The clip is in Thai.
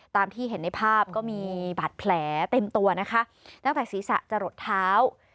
ตามที่เห็นในภาพก็มีบาดแผลเต็มตัวนะคะตั้งแต่ศีรษะจะหลดเท้า